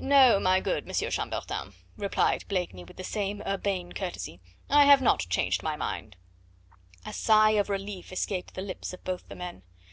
"No, my good M. Chambertin," replied Blakeney with the same urbane courtesy, "I have not changed my mind." A sigh of relief escaped the lips of both the men.